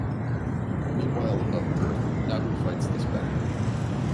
Meanwhile above Earth, Nabu fights the Spectre.